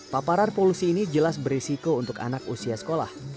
paparan polusi ini jelas berisiko untuk anak usia sekolah